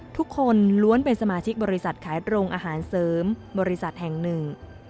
ทุกคนล้วนเป็นสมาชิกบริษัทขายโรงอาหารเสริมบริษัทแห่งหนึ่ง